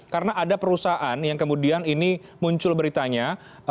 karena ada perusahaan yang kemudian ini muncul beritanya